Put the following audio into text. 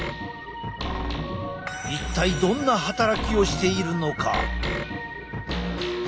一体どんな働きをしているのか？